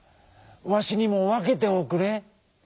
わしにもわけておくれ。